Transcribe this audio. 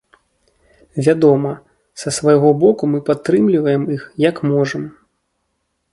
Вядома, са свайго боку мы падтрымліваем іх як можам.